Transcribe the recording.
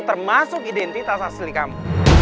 termasuk identitas asli kamu